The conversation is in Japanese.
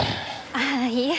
ああいえ。